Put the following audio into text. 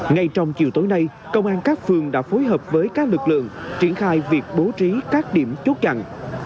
ngay trong chiều tối nay công an các phường đã phối hợp với các lực lượng triển khai việc bố trí các điểm chốt chặn